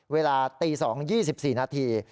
เวลา๐๒๐๐๒๔นาที